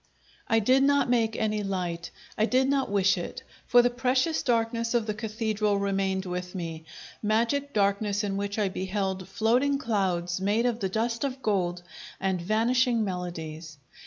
I did not make any light; I did not wish it, for the precious darkness of the Cathedral remained with me magic darkness in which I beheld floating clouds made of the dust of gold and vanishing melodies.